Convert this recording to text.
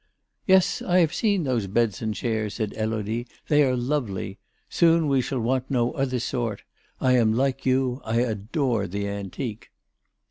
"Yes, I have seen those beds and chairs," said Élodie, "they are lovely. Soon we shall want no other sort. I am like you, I adore the antique."